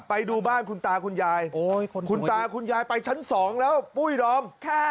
ไปดูบ้านคุณตาคุณยายคุณตาคุณยายไปชั้น๒แล้วปุ้ยดอม